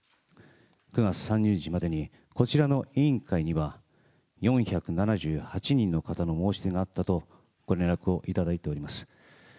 ９月３０日までにこちらの委員会には、４７８人の方の申し出があったとご連絡をいただいております。